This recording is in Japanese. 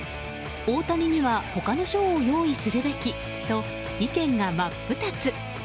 大谷には他の賞を用意するべきと意見が真っ二つ。